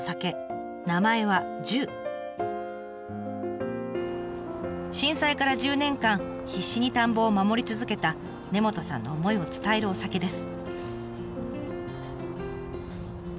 名前は震災から１０年間必死に田んぼを守り続けた根本さんの思いを伝えるお酒です。